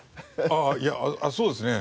ああいやそうですね。